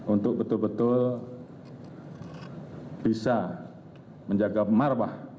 untuk betul betul bisa menjaga marwah